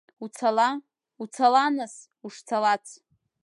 Уцала, уцала нас, ушцалац!